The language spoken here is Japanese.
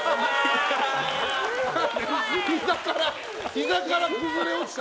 ひざから崩れ落ちた！